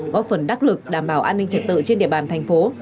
góp phần đắc lực đảm bảo an ninh trật tự trên địa bàn thành phố